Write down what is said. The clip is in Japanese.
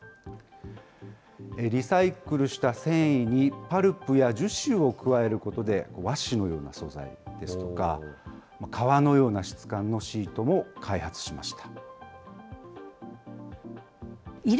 リサイクルした繊維にパルプや樹脂を加えることで、和紙のような素材ですとか、革のような質感のシートも開発しました。